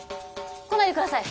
来ないでください。